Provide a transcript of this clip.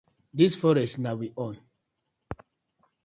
Dis forest na we own.